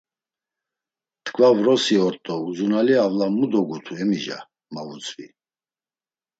T̆ǩva vrosi ort do Uzunali Avla mu dogutu emica? ma vutzvi.